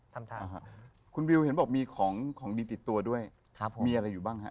ทำท่าคุณวิวเห็นบอกมีของของดีติดตัวด้วยครับผมมีอะไรอยู่บ้างฮะ